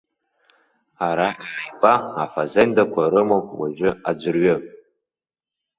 Ара ааигәа афазендақәа рымоуп уажәы аӡәырҩы.